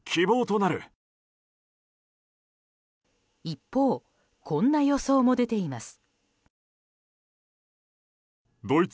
一方こんな予想も出ています。